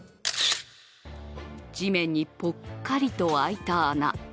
地面にぽっかりと空いた穴。